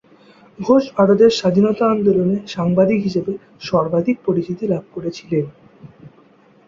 ঘোষ ভারতের স্বাধীনতা আন্দোলনে সাংবাদিক হিসাবে সর্বাধিক পরিচিতি লাভ করেছিলেন।